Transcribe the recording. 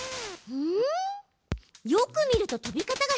うん。